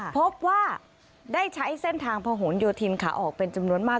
พบว่าได้ใช้เส้นทางผนโยธินขาออกเป็นจำนวนมาก